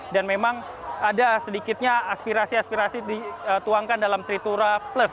dan memang ada sedikitnya aspirasi aspirasi dituangkan dalam tritura plus